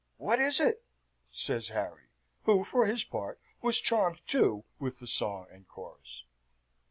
"What is it?" says Harry, who, for his part, was charmed, too, with the song and chorus.